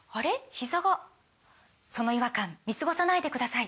ひざがその違和感見過ごさないでください